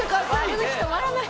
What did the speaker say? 悪口止まらない。